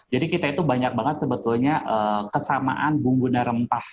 jadi kita itu banyak banget sebetulnya kesamaan bung guna rempah